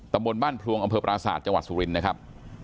ตำบลบ้านพลวงอำเภอปราศาสตร์จังหวัดสุรินทร์นะครับ